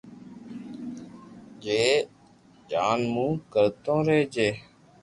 جي جان مون ڪرتو رھجي